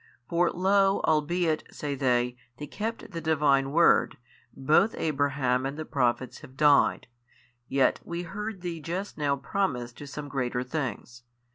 for lo albeit (say they) they kept the Divine word, both Abraham and the Prophets have died, yet we heard Thee just now promise to some greater things.